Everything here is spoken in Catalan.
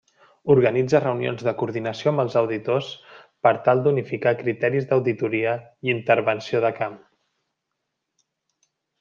Organitza reunions de coordinació amb els auditors per tal d'unificar criteris d'auditoria i intervenció de camp.